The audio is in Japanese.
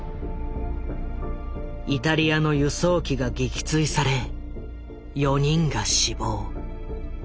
イタリアの輸送機が撃墜され４人が死亡。